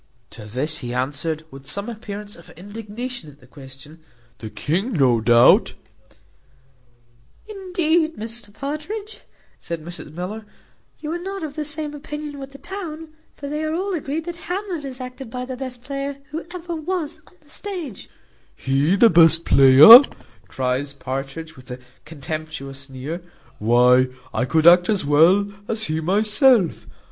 To this he answered, with some appearance of indignation at the question, "The king, without doubt." "Indeed, Mr Partridge," says Mrs Miller, "you are not of the same opinion with the town; for they are all agreed, that Hamlet is acted by the best player who ever was on the stage." "He the best player!" cries Partridge, with a contemptuous sneer, "why, I could act as well as he myself.